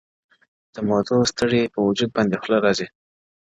• د مودو ستړي پر وجود بـانـدي خـولـه راځي؛